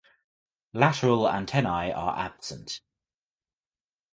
Lateral antennae are absent.